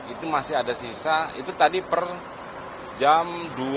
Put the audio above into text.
itu masih ada sisa itu tadi per jam dua belas